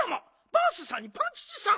バースさんにパンキチさん。